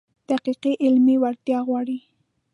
دقیقه علمي وړتیا غواړي.